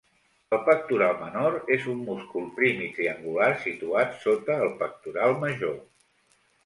El pectoral menor és un múscul prim i triangular situat sota el pectoral major.